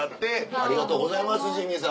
ありがとうございますジミーさん